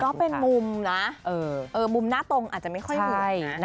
ก็เป็นมุมนะมุมหน้าตรงอาจจะไม่ค่อยมุม